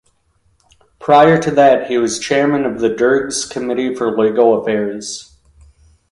Prior to that, he was chairman of the Derg's committee for legal affairs.